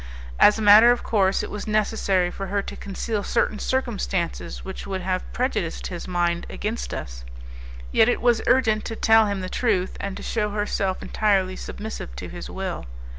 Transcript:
As a matter of course, it was necessary for her to conceal certain circumstances which would have prejudiced his mind against us; yet it was urgent to tell him the truth and to shew herself entirely submissive to his will.